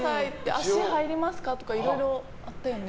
足入りますか？とかいろいろやったよね。